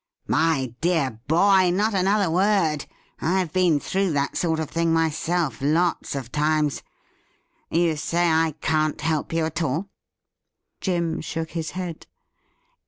'My dear boy, not another word. I've been through that sort of thing myself — lots of times. You say I can't help you at all i'' Jim shook his head.